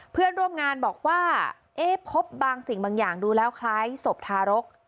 เพื่อนร่วมงานบอกว่าเอ๊ะพบบางสิ่งบางอย่างดูแล้วคล้ายศพทารก